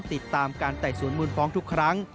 ติดตามการไต่สวนมูลฟ้องทุกครั้ง